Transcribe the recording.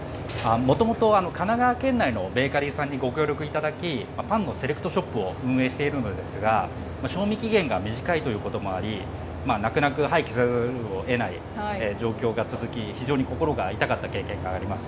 もともと神奈川県内のベーカリーさんにご協力いただき、パンのセレクトショップを運営しているのですが、賞味期限が短いということもあり、泣く泣く廃棄せざるをえない状況が続き、非常に心が痛かった経験があります。